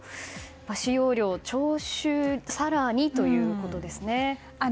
使用料徴収更にということですね。